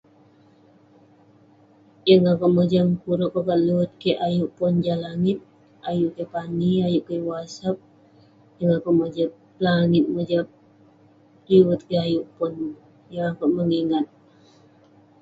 Yeng akouk mojam kurek kokat liwet kek ayuk pon jah langit. Ayuk kek pani, ayuk kek wasap. Yeng akouk mojap langit, mojap liwet kik ayuk pon. Yeng akouk mengingat.